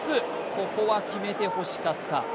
ここは決めてほしかった。